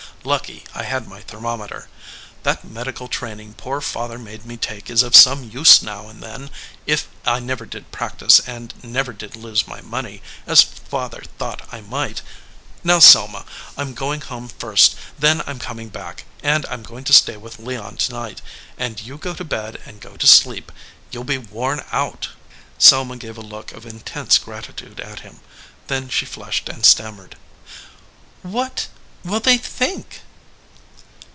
Lucky I had my thermometer. That medical train ing poor father made me take is of some use now and then, if I never did practise and never did lose my money, as father thought I might. Now Selma, Pm going home first, then I m coming back, and I m going to stay with Leon to night ; and you go to bed and go to sleep. You ll be worn out." Selma gave a look of intense gratitude at him. Then she flushed and stammered. "What will they think?"